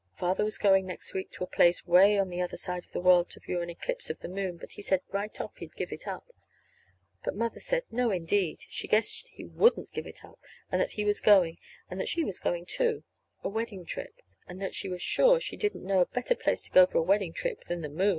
Father was going next week to a place 'way on the other side of the world to view an eclipse of the moon, but he said right off he'd give it up. But Mother said, "No, indeed," she guessed he wouldn't give it up; that he was going, and that she was going, too a wedding trip; and that she was sure she didn't know a better place to go for a wedding trip than the moon!